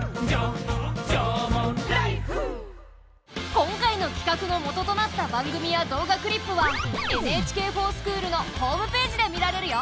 今回の企画のもととなった番組や動画クリップは「ＮＨＫｆｏｒＳｃｈｏｏｌ」のホームページで見られるよ。